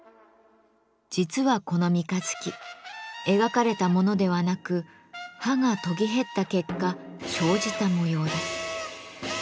実はこの三日月描かれたものではなく刃が研ぎ減った結果生じた模様です。